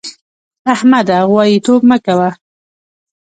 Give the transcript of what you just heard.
احمده! غواييتوب مه کوه.